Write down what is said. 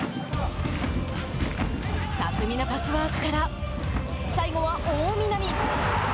巧みなパスワークから最後は大南。